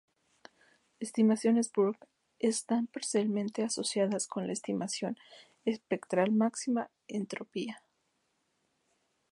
Estimaciones Burg están particularmente asociados con la estimación espectral máxima entropía.